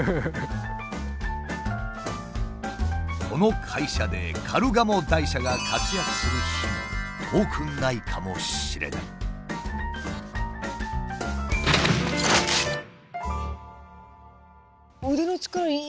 この会社でカルガモ台車が活躍する日も遠くないかもしれない。